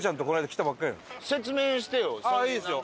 ああいいですよ。